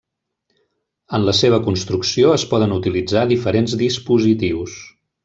En la seva construcció es poden utilitzar diferents dispositius.